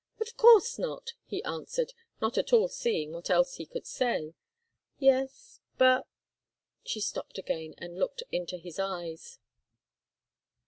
"Of course not!" he answered, not at all seeing what else he could say. "Yes but " She stopped again and looked into his eyes.